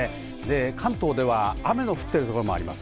関東では雨の降っているところもあります。